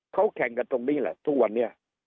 เขาแข่งกันตรงนี้แหละทุกวันนี้